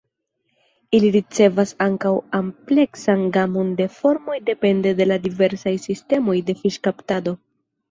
Ili ricevas ankaŭ ampleksan gamon de formoj depende de la diversaj sistemoj de fiŝkaptado.